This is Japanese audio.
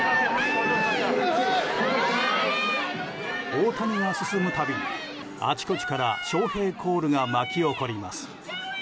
大谷が進むたびにあちこちから翔平コールが巻き起こります。